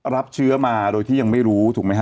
รับเชื้อมาโดยที่ยังไม่รู้ถูกไหมฮ